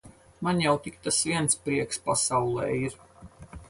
Man jau tik tas viens prieks pasaulē ir.